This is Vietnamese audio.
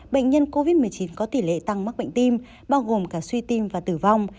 bệnh nhân covid một mươi chín có tỷ lệ tăng mắc bệnh tim bao gồm cả suy tim và tử vong